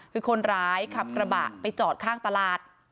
คือคนร้ายขับกระบะไปจอดข้างตลาด